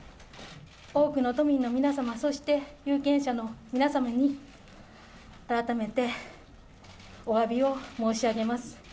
多くの都民の皆様、そして有権者の皆様に、改めておわびを申し上げます。